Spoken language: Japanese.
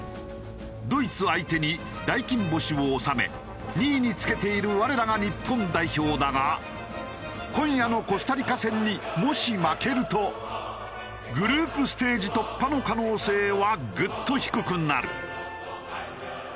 ドイツ相手に大金星を収め２位につけている我らが日本代表だが今夜のコスタリカ戦にもし負けるとグループステージ突破の可能性はぐっと低くなる。